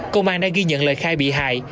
công an đã ghi nhận lời khai bị hại